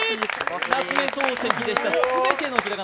夏目漱石でした。